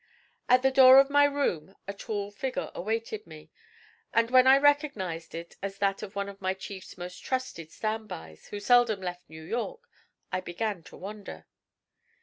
At the door of my room a tall figure awaited me, and when I recognised it as that of one of my chief's most trusted 'stand bys,' who seldom left New York, I began to wonder.